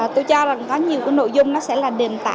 tôi cho là có nhiều nội dung sẽ là nền tảng